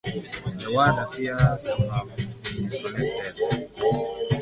The award appears to have been discontinued.